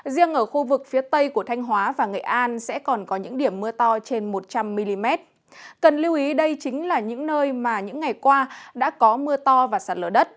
điều ý đây chính là những nơi mà những ngày qua đã có mưa to và sạt lở đất